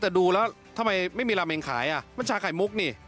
แต่ดูแล้วทำไมไม่มีราเมงขายอ่ะมันชาไข่มุกนี่